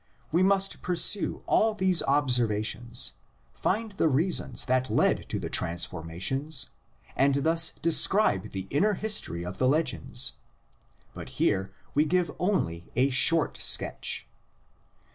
We must pursue all these observations, find the reasons that led to the transformations, and thus describe the inner history of the legends. But here we give only a short sketch.